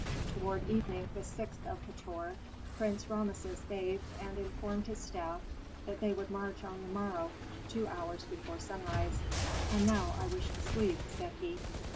Toward evening the sixth of Hator, Prince Rameses bathed and informed his staff that they would march on the morrow two hours before sunrise. "And now I wish to sleep," said he.